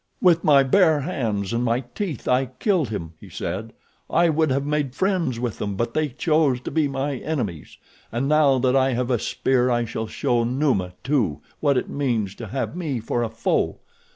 "With my bare hands and my teeth I killed him," he said. "I would have made friends with them but they chose to be my enemies. And now that I have a spear I shall show Numa, too, what it means to have me for a foe.